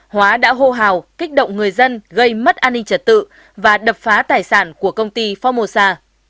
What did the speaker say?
hóa đã hô hào kích động người dân gây mất an ninh trật tự và đập phá tài sản của công ty phong mô sa